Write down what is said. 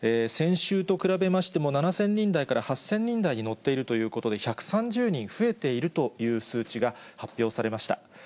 先週と比べましても、７０００人台から８０００人台に乗っているということで、１３０人増えているという数値が発表されました。